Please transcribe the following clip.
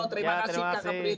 terima kasih kak kepri